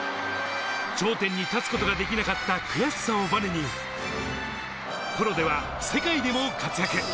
頂点に立つことができなかった悔しさをバネに、プロでは世界でも活躍。